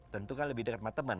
tentu kan lebih dekat sama teman